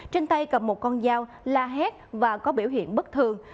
trên tay cầm một con dao la hét và có biểu hiện bất thường